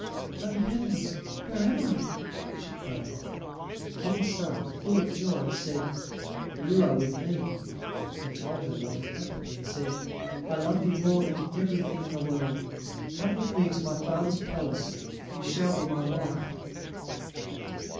"Oh, heavens, where am I?" she cried. The King's son, full of joy, said: "You are with me," and told her what had happened, and said, "I love you more than everything in the world; come with me to my father's palace; you shall be my wife."